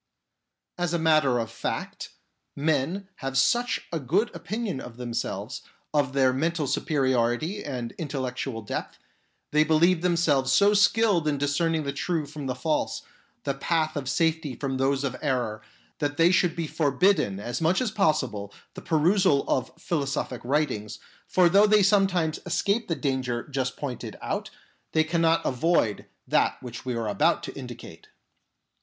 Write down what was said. As a matter of fact, men have such a good opinion of themselves, of their mental superiority and intellectual depth ; they believe themselves so skilled in discerning the true from the false, the path of safety from those of error, that they should be forbidden as much as possible the perusal of philosophic writings, for though they sometimes escape the danger just pointed out, they cannot avoid that which we are about to indicate.